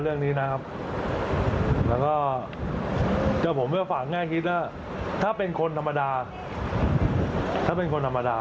ตอนนี้โดนตรวจไปแล้วเนอะ